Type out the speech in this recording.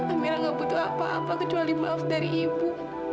amera gak butuh apa apa kecuali maaf dari ibu